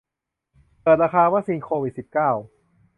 เปิดราคาวัคซีนโควิด สิบเก้า